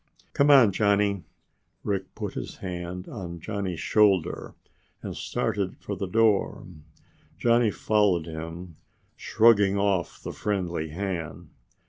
"Come on, Johnny." Rick put his hand on Johnny's shoulder and started for the door. Johnny followed him, shrugging off the friendly hand.